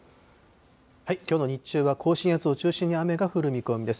きょうの日中は、甲信越を中心に雨が降る見込みです。